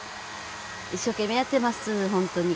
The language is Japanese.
一生懸命やっています本当に。